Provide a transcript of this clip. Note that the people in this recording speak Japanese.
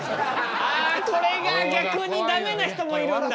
あこれが逆に駄目な人もいるんだ。